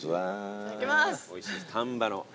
いただきます。